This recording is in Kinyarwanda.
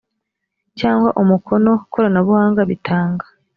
cyangwa umukono koranabuhanga bitanga